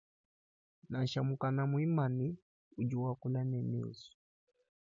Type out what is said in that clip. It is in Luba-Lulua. Nansha mukana muimane udi wakula ne mesu.